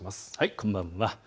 こんばんは。